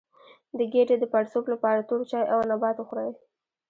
د ګیډې د پړسوب لپاره تور چای او نبات وخورئ